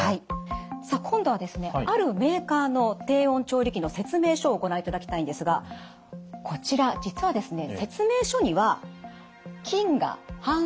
さあ今度はあるメーカーの低温調理器の説明書をご覧いただきたいんですがこちら実はですね